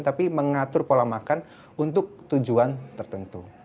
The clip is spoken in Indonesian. tapi mengatur pola makan untuk tujuan tertentu